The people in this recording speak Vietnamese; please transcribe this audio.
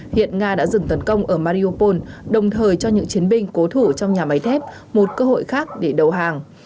hiện nga đã dừng tấn công ở mariopol đồng thời cho những chiến binh cố thủ trong nhà máy thép một cơ hội khác để đầu hàng